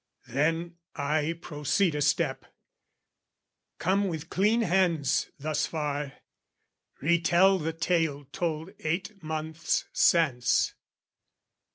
Then I proceed a step, come with clean hands Thus far, re tell the tale told eight months since.